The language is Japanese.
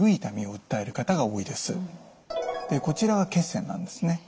こちらは血栓なんですね。